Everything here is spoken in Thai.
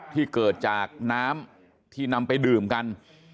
ที่เกิดจากน้ำที่นำไปดื่มกัน